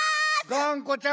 がんこちゃん